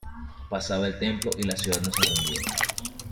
Pasaba el tempo y la ciudad no se rendía.